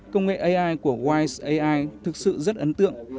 công nghệ ai của wise ai thực sự rất ấn tượng